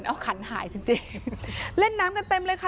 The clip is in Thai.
เอาขันหายจริงจริงเล่นน้ำกันเต็มเลยค่ะ